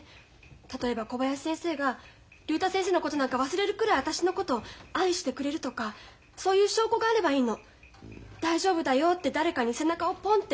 例えば小林先生が竜太先生のことなんか忘れるくらい私のこと愛してくれるとかそういう証拠があればいいの。大丈夫だよって誰かに背中をポンって押してほしいっていうか。